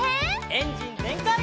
エンジンぜんかい！